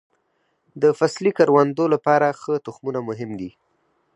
د فصلي کروندو لپاره ښه تخمونه مهم دي.